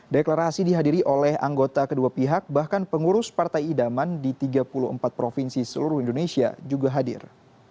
deklarasi dihadiri oleh anggota kedua pihak bahkan pengurus partai idaman di tiga puluh empat provinsi seluruh indonesia juga hadir